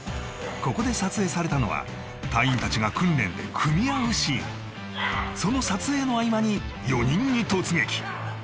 ここで撮影されたのは隊員達が訓練で組み合うシーンその撮影の合間に４人に突撃！